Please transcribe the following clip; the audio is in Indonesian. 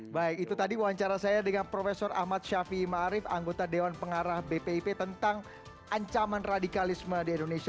baik itu tadi wawancara saya dengan prof ahmad syafiee ma'arif anggota dewan pengarah bpip tentang ancaman radikalisme di indonesia